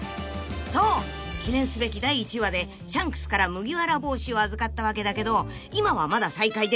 ［そう記念すべき第１話でシャンクスから麦わら帽子を預かったわけだけど今はまだ再会できていない］